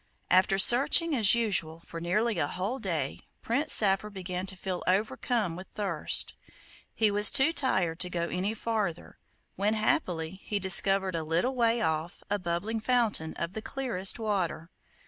After searching as usual for nearly a whole day Prince Saphir began to feel overcome with thirst. He was too tired to go any farther, when happily he discovered a little way off a bubbling fountain of the clearest water.